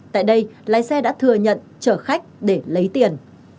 tại đây lái xe đã thừa nhận chở khách để lấy tiền